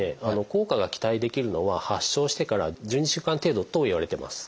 効果が期待できるのは発症してから１２週間程度といわれてます。